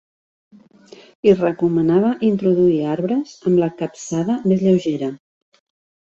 Hi recomanava introduir arbres amb la capçada més lleugera.